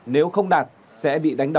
nếu không đạt sẽ bị đánh đập